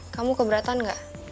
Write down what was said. kamu keberatan gak